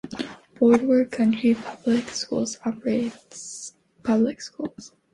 Broward County Public Schools operates public schools.